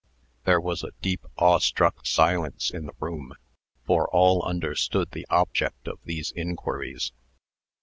There was a deep, awestruck silence in the room; for all understood the object of these inquiries.